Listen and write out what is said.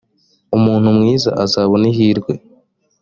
umuntu mwiza azabona ihirwe